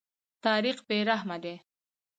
تاریخ بې رحمه دی.